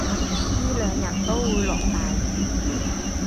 依兩日都會落大雨